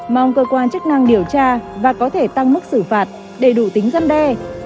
mong cơ quan chức năng điều tra và có thể tăng mức xử phạt để đủ tính răn đe